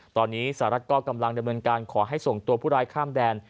ตอนนี้สหรัฐก็กำลังดำเนินการขอให้ส่งตัวผู้ร้ายข้ามแดน